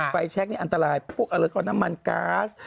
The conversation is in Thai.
แช็คนี่อันตรายพวกอะไรก็น้ำมันก๊าซ